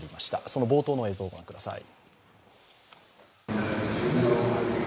その冒頭の映像、ご覧ください。